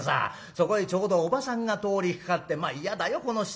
そこへちょうどおばさんが通りかかって『まあ嫌だよこの人は。